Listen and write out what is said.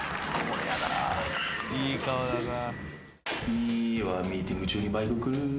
「ミはミーティング中にバイク来る」